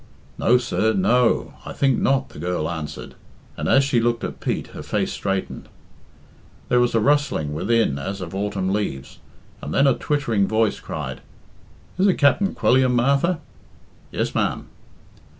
"No, sir, n o, I think not," the girl answered, and as she looked at Pete her face straightened. There was a rustling within as of autumn leaves, and then a twittering voice cried, "Is it Capt'n Quilliam, Martha?" "Yes, ma'am."